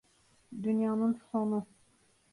Dünyanın sonu.